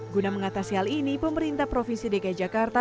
guna mengatasi hal ini pemerintah provinsi dki jakarta